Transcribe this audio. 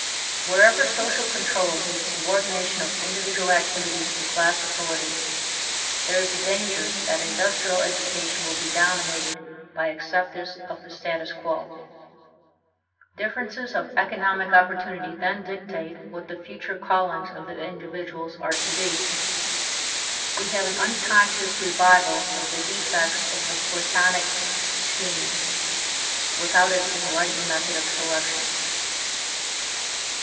Wherever social control means subordination of individual activities to class authority, there is danger that industrial education will be dominated by acceptance of the status quo. Differences of economic opportunity then dictate what the future callings of individuals are to be. We have an unconscious revival of the defects of the Platonic scheme (ante, p. 89) without its enlightened method of selection.